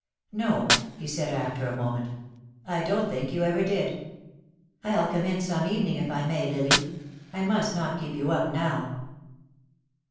"No," he said, after a moment, "I don't think you ever did. I'll come in some evening, if I may, Lily. I must not keep you up now."